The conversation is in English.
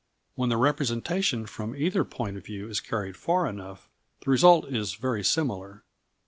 When the representation from either point of view is carried far enough, the result is very similar.